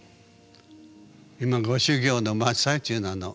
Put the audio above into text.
今ご修行の真っ最中なの。